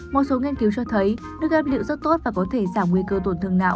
một số nghiên cứu cho thấy nước ép lựu rất tốt và có thể giảm nguy cơ tổn thương não